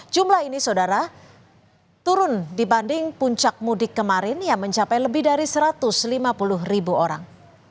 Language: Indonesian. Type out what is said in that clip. jumlah ini saudara turun dibanding puncak mudik kemarin yang mencapai lebih dari satu ratus lima puluh ribu orang